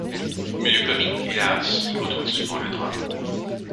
Mais le comique, hélas, y côtoie souvent le drame...